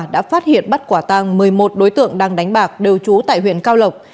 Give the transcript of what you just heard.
đã phát hiện bắt quả tăng một mươi một đối tượng đang đánh bạc đều trú tại huyện cao lộc